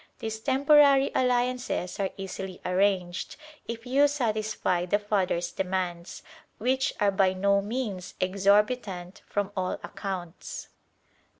These temporary alliances are easily arranged, if you satisfy the father's demands, which are by no means exorbitant from all accounts.